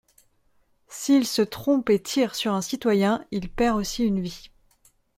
S’il se trompe et tire sur un citoyen, il perd aussi une vie.